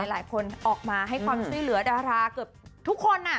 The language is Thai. หลายคนออกมาให้ความช่วยเหลือดาราเกือบทุกคน